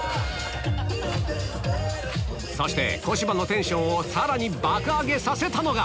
そして小芝のテンションをさらに爆上げさせたのが